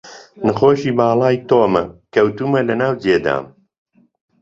نەخۆشی باڵای تۆمە، کەوتوومە لە ناو جێدام